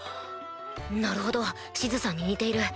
なるほどシズさんに似ている。